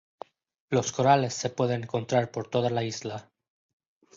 Los corales se pueden encontrar por toda la isla.